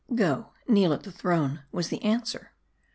" Go, kneel at the throne," was the answer.